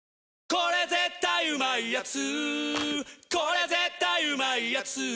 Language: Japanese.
これ絶対うまいやつ」